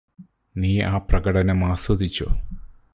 നീ ആ പ്രകടനം ആസ്വദിച്ചോ